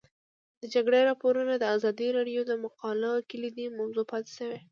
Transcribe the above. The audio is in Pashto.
د جګړې راپورونه د ازادي راډیو د مقالو کلیدي موضوع پاتې شوی.